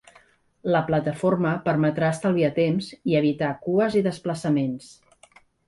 La plataforma permetrà estalviar temps i evitar cues i desplaçaments.